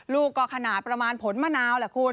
ลูกก็ขนาดประมาณผนมะนาว